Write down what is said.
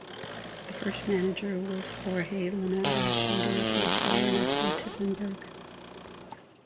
The first manager was Jorge Lanata, later replaced by Ernesto Tiffenberg.